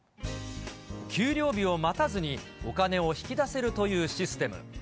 給料日を待たずにお金を引き出せるというシステム。